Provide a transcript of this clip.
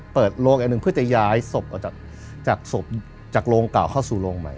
เปิดโรงอันหนึ่งเพื่อจะย้ายศพออกจากศพจากโรงเก่าเข้าสู่โรงใหม่